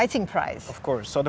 yang cukup menarik